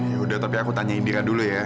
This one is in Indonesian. ya udah tapi aku tanyain dira dulu ya